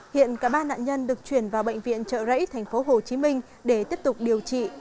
hiện cả ba nạn nhân được chuyển vào bệnh viện trợ rẫy thành phố hồ chí minh để tiếp tục điều trị